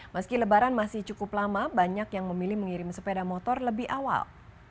meski lebaran masih cukup lama banyak yang memilih mengirim sepeda motor lebih awal